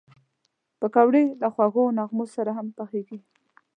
پکورې له خوږو نغمو سره هم پخېږي